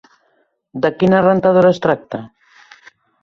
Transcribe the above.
De quina rentadora es tracta?